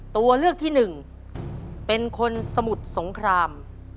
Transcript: ตัวเลือกที่หนึ่งเป็นคนสมุทรสงคราม